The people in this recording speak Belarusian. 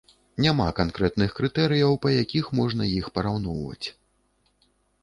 Няма канкрэтных крытэрыяў, па якіх можна іх параўноўваць.